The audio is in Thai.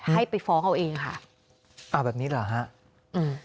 ให้ไปฟ้องเอาเองค่ะอ่าแบบนี้เหรอฮะอืม